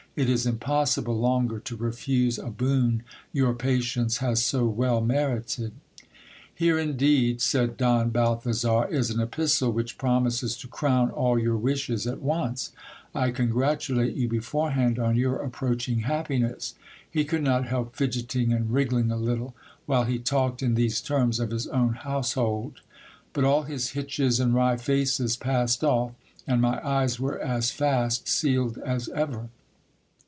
It is impossible longer to refuse a boon your patience has so well merited." Here indeed, said Don Balthazar, is an epistle which promises to crown all your wishes at once. I congratulate you beforehand on your approaching happi ness. He could not help fidgeting and wriggling a little, while he talked in these terms of his own household ; but all his hitches and wry faces passed off, and my eyes were as fast sealed as ever.